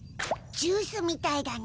ジュースみたいだね。